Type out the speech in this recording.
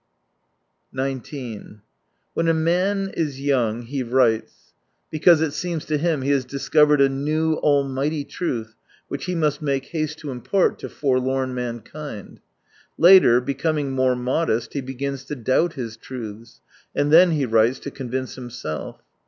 19 When a man is young he writes because it seems to him he has discovered a new almighty truth which he must make haste to impart to forlorn mankind. Later, be coming more modest, he begins to doubt his truths : and then he writes to convince himself.